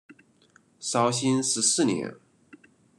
绍兴十四年。